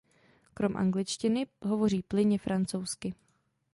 Krom angličtiny hovoří plynně francouzsky.